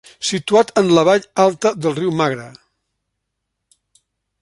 Situat en la vall alta del riu Magre.